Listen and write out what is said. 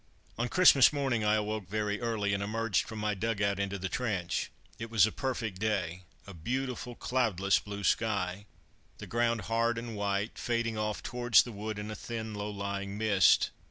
On Christmas morning I awoke very early, and emerged from my dug out into the trench. It was a perfect day. A beautiful, cloudless blue sky. The ground hard and white, fading off towards the wood in a thin low lying mist.